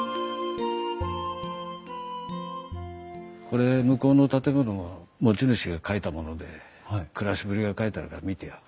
これ向こうの建物の持ち主が書いたもので暮らしぶりが書いてあるから見てよ。